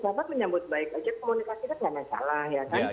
jadi bapak menyambut baik aja komunikasi kan tidak masalah ya kan